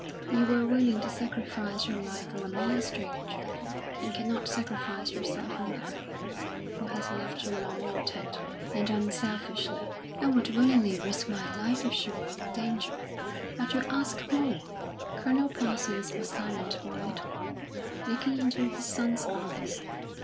"You were willing to sacrifice your life for a mere stranger, and cannot you sacrifice yourself for Mary, who has loved you long and tenderly, and unselfishly?" "I would willingly risk my life if she were in danger. But you ask more." Colonel Parsons was silent for a little, looking into his son's eyes.